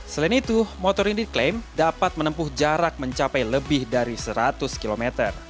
selain itu motor ini diklaim dapat menempuh jarak mencapai lebih dari seratus km